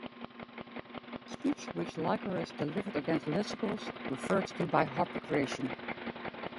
The speech which Lycurgus delivered against Lysicles is referred to by Harpocration.